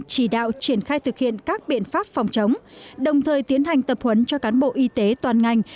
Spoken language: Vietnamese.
chỉ đạo triển khai thực hiện các biện pháp phòng chống đồng thời tiến hành tập huấn cho cán bộ y tế toàn ngành